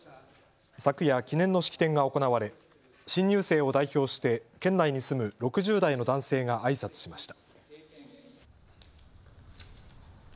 昨夜、記念の式典が行われ新入生を代表して県内に住む６０代の男性があいさつしました。